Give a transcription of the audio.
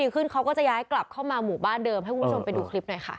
ขึ้นเขาก็จะย้ายกลับเข้ามาหมู่บ้านเดิมให้คุณผู้ชมไปดูคลิปหน่อยค่ะ